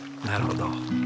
なるほど。